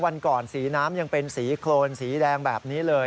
วันก่อนสีน้ำยังเป็นสีโครนสีแดงแบบนี้เลย